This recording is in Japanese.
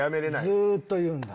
ずっと言うんだ。